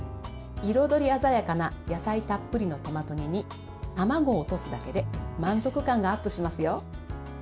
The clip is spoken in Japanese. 彩り鮮やかな野菜たっぷりのトマト煮に卵を落とすだけで満足感がアップしますよ。